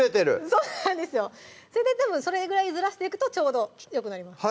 それでそれぐらいずらしていくとちょうどよくなります